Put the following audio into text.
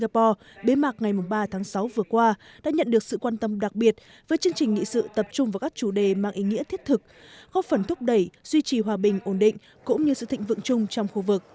đội thoại shangri la lần thứ một mươi bảy tại singapore bế mạc ngày ba tháng sáu vừa qua đã nhận được sự quan tâm đặc biệt với chương trình nghị sự tập trung vào các chủ đề mang ý nghĩa thiết thực góp phần thúc đẩy duy trì hòa bình ổn định cũng như sự thịnh vượng chung trong khu vực